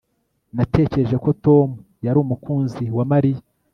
Natekereje ko Tom yari umukunzi wa Mariya